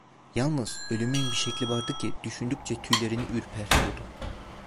Yalnız ölümün bir şekli vardı ki, düşündükçe tüylerini ürpertiyordu.